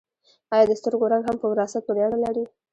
ایا د سترګو رنګ هم په وراثت پورې اړه لري